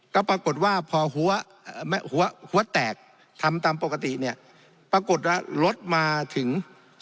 ก็ปรากฏว่าพอหัวแตกทำตามปกติปรากฏลดมาถึง๔๔